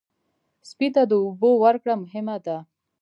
سپي ته د اوبو ورکړه مهمه ده.